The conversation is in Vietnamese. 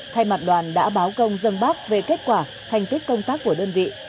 thay mặt đoàn đã báo công dân bác về kết quả thành tích công tác của đơn vị